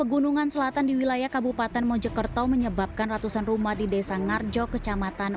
pegunungan selatan di wilayah kabupaten mojokerto menyebabkan ratusan rumah di desa ngarjo kecamatan